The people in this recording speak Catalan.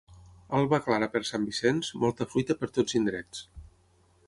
Alba clara per Sant Vicenç, molta fruita per tots indrets.